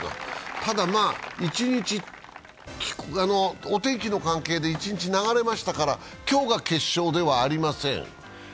ただ、お天気の関係で一日流れましたから今日が決勝ではありません。